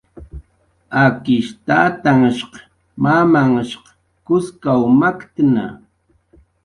Akish tatanhshq mamamnhhsh Kuskw maktnna